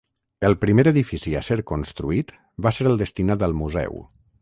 El primer edifici a ser construït va ser el destinat al museu.